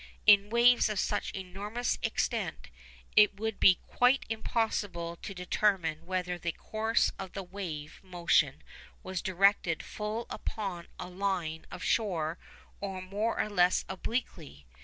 In waves of such enormous extent, it would be quite impossible to determine whether the course of the wave motion was directed full upon a line of shore or more or less obliquely.